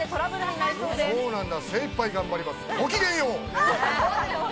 精いっぱい頑張ります、ごきげんよう。